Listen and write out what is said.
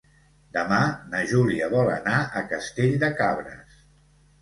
Demà na Júlia vol anar a Castell de Cabres.